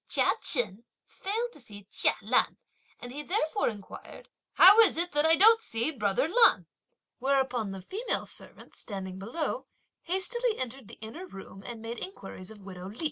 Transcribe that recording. Chia Chen failed to see Chia Lan, and he therefore inquired: "How is it I don't see brother Lan," whereupon the female servants, standing below, hastily entered the inner room and made inquiries of widow Li.